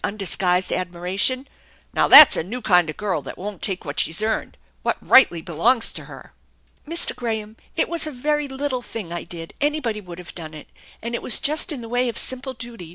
undisguised r.dmira* tion. " Now that's a new kind of girl that won't take what she's earned, what rightly belongs to her." " Mr. Graham, it was a very little thing I did, anybody would have done it, and it was just in the way of simple duty.